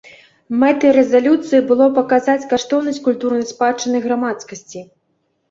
Мэтай рэзалюцыі было паказаць каштоўнасць культурнай спадчыны грамадскасці.